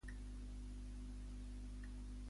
Posaran "El riu de la ira" al Cinesa d'aquí al costat?